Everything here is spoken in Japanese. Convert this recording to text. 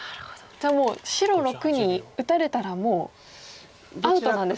じゃあ白⑥に打たれたらもうアウトなんですね。